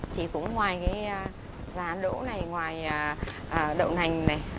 thì cũng ngoài cái giá đỗ này ngoài đậu nành này